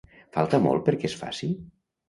Falta molt perquè es faci?